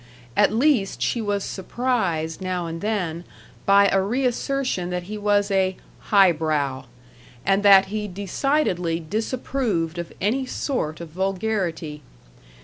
At least she was surprised now and then by a reassertion that he was a "highbrow," and that he decidedly disapproved of any sort of vulgarity.